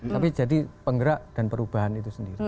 tapi jadi penggerak dan perubahan itu sendiri